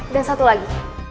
dan satu lagi